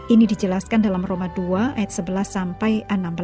ini dijelaskan dalam roma dua ayat sebelas sampai enam belas